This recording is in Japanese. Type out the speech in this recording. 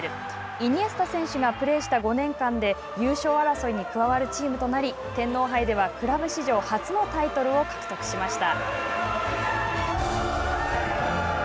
イニエスタ選手がプレーした５年間で優勝争いに加わるチームとなり天皇杯ではクラブ史上初のタイトルを獲得しました。